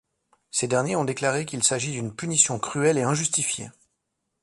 Ces derniers ont déclaré qu'il s'agit d'une punition cruelle et injustifiée.